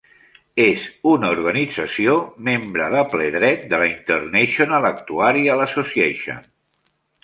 És una organització membre de ple dret de la International Actuarial Association.